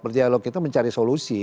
berdialog itu mencari solusi